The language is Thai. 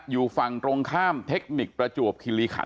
อยู่ฝั่งตรงข้ามเทคนิคประจวบคิริขัน